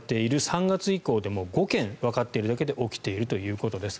３月以降で５件、わかっているだけで起きているということです。